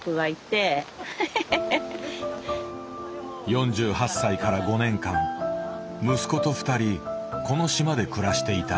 ４８歳から５年間息子と２人この島で暮らしていた。